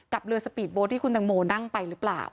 เรือสปีดโบ๊ทที่คุณตังโมนั่งไปหรือเปล่า